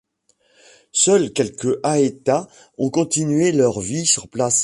Seuls quelques Aeta ont continué leur vie sur place.